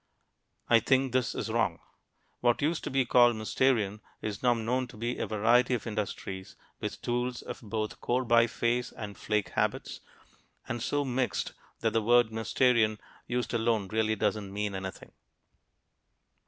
I think this is wrong. What used to be called "Mousterian" is now known to be a variety of industries with tools of both core biface and flake habits, and so mixed that the word "Mousterian" used alone really doesn't mean anything.